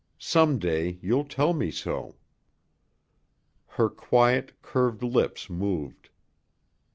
Some day you'll tell me so." Her quiet, curved lips moved.